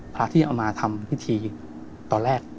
พระที่เอามาทำพิธีตอนแรก